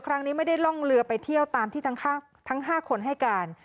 ครั้งนี้ไม่ได้ล่องเรือไปเที่ยวตามที่ทั้ง๕คนให้การ